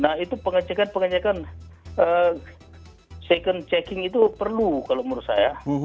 nah itu pengecekan pengecekan second checking itu perlu kalau menurut saya